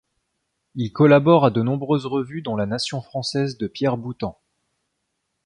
Il collabore à de nombreuses revues dont La Nation française de Pierre Boutang.